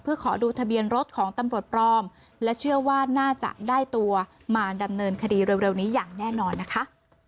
เพื่อขอดูทะเบียนรถของตำรวจปลอมและเชื่อว่าน่าจะได้ตัวมาดำเนินคดีเร็วนี้อย่างแน่นอนนะคะ